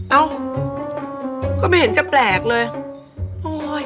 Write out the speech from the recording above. เอ้าก็ไม่เห็นจะแปลกเลยโอ้ย